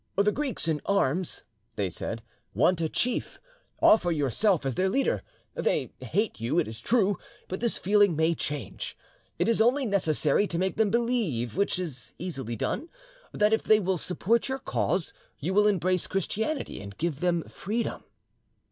"The Greeks in arms," said they, "want a chief: offer yourself as their leader. They hate you, it is true, but this feeling may change. It is only necessary to make them believe, which is easily done, that if they will support your cause you will embrace Christianity and give them freedom."